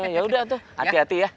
ya udah tuh hati hati ya